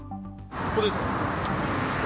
ここですか？